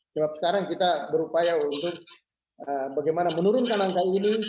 cuma sekarang kita berupaya untuk bagaimana menurunkan angka ini